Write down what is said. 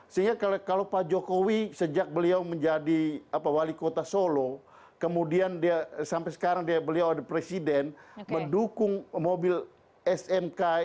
sehingga kalau pak jokowi sejak beliau menjadi wali kota solo kemudian dia sampai sekarang beliau ada presiden mendukung mobil smk